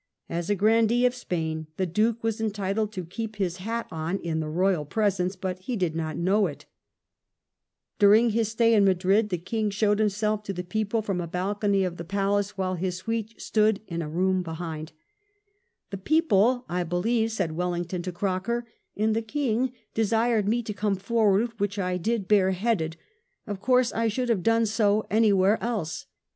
As a grandee of Spain the Duke was entitled to keep his hat on in the royal presence, but he did not know it During his stay in Madrid, the King showed himself to the people from a balcony of the palace, while his suite stood in a room behind " The people, I believe," said Wellington to Croker, "and the King desired me to come forward, which I did bare headed ; of course I should have done so anywhere else.